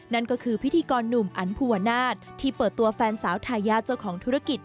นั่นก็คือพิธีกรหนุ่มอันภูวนาศที่เปิดตัวแฟนสาวทายาทเจ้าของธุรกิจ